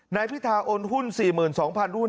นายพิธาโอนหุ้น๔๒๐๐หุ้น